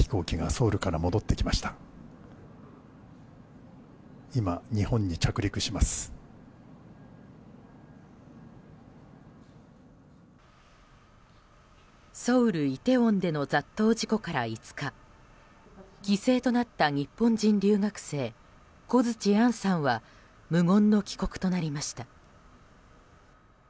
ソウル・イテウォンでの雑踏事故から５日犠牲となった日本人留学生小槌杏さんは無言の帰国となりました。